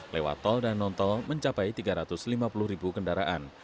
lewat tol dan non tol mencapai tiga ratus lima puluh ribu kendaraan